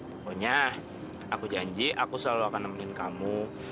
pokoknya aku janji aku selalu akan nemenin kamu